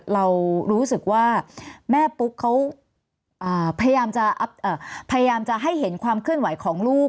เรารู้สึกว่าแม่ปุ๊กเขาพยายามจะให้เห็นความเคลื่อนไหวของลูก